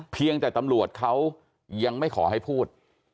เพียงแต่ตำรวจเขายังไม่ขอให้พูด